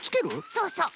そうそう！